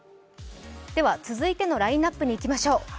続いてのラインナップにいきましょう。